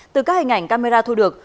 từ các hình ảnh camera thu được